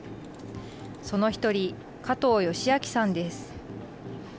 その一人、加藤吉晃さんです。